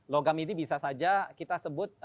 logam ini bisa saja kita sebut